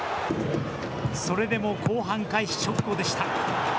それでも後半開始直後でした。